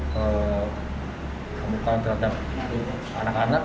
kebuka terhadap anak anak